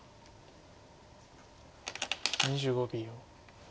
２５秒。